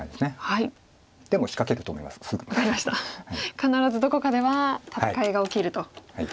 必ずどこかでは戦いが起きると。